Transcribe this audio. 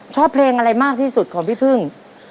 ชอบเพลงอะไรมากที่สุดของพี่พึ่ง